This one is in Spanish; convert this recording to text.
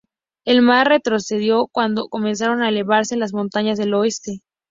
El mar retrocedió cuando comenzaron a elevarse las montañas del oeste.